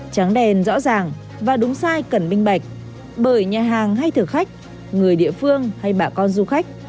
trắng đèn rõ ràng và đúng sai cần minh bạch bởi nhà hàng hay thử khách người địa phương hay bà con du khách